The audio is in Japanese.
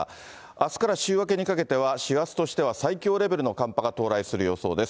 あすから週明けにかけては師走としては最強レベルの寒波が到来する予想です。